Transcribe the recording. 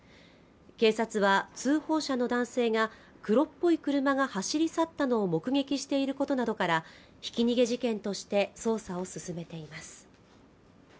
警察は通報者の男性が黒っぽい車が走り去ったのを目撃していることなどからひき逃げ事件として捜査を進めています